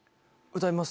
歌います。